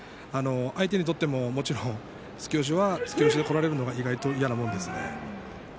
相手にとっても、もちろん突き押しは突き押しでこられるのは意外と嫌なものですね。